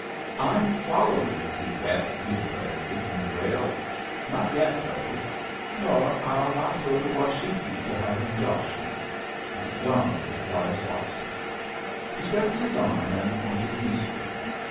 "I'm following it, you bet," he declared, kicking the rail. "Not yet though. Nor I'll not go to Washakie to have 'em josh me. And yonder lays Boston." He stretched his arm and pointed eastward.